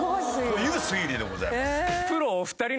という推理でございます。